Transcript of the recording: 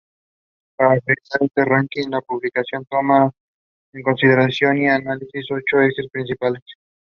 The film opened to mostly positive reviews alike from both the public and critics.